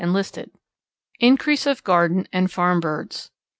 _Increase of Garden and Farm Birds.